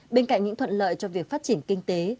bên cạnh những thuận lợi cho việc phát triển kinh tế